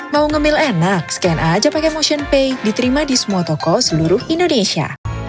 mau nge mail enak scan aja pake motionpay diterima di semua toko seluruh indonesia